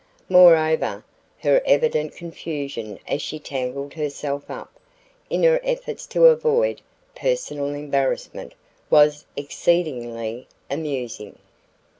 Moreover, her evident confusion as she tangled herself up, in her efforts to avoid personal embarrassment, was exceedingly amusing.